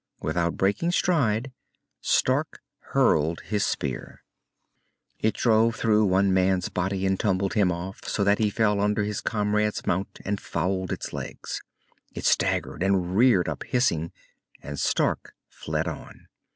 Without breaking stride, Stark hurled his spear. It drove through one man's body and tumbled him off, so that he fell under his comrade's mount and fouled its legs. It staggered and reared up, hissing, and Stark fled on.